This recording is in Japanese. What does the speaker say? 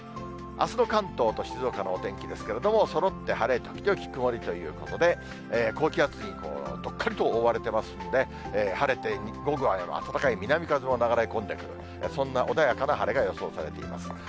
あすの関東と静岡のお天気ですけれども、そろって晴れ時々曇りということで、高気圧にどっかりと覆われていますので、晴れて、午後は暖かい南風が流れ込んでくる、そんな穏やかな晴れが予想されています。